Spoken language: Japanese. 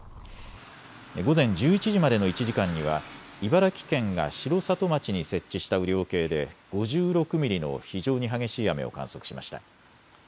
午前１１時までの１時間には茨城県が城里町に設置した雨量計で５６ミリの非常に激しい雨を観測しました。